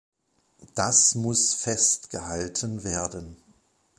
Das muss festgehalten werden.